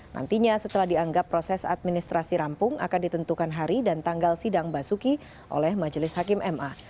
nantinya setelah dianggap proses administrasi rampung akan ditentukan hari dan tanggal sidang basuki oleh majelis hakim ma